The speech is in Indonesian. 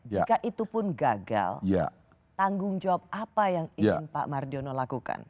jika itu pun gagal tanggung jawab apa yang ingin pak mardiono lakukan